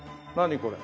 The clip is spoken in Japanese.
これ。